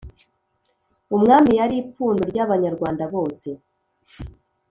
umwami yari ipfundo ry'abanyarwanda bose.